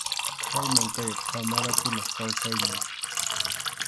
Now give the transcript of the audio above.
Khaynam kay qamarakunap kawsaynin.